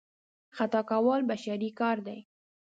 خطا کول بشري کار دی.